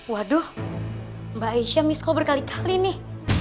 waduh mbak aisyah misco berkali kali nih